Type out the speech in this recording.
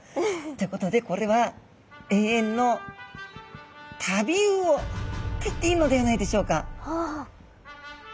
ということでこれは永遠の旅魚と言っていいのではないでしょうか。